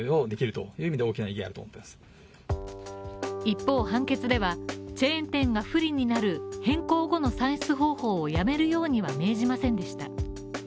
一方、判決ではチェーン店が不利になる変更後の算出方法もやめるようには命じませんでした。